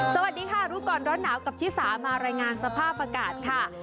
สวัสดีค่ะรู้ก่อนร้อนหนาวกับชิสามารายงานสภาพอากาศค่ะ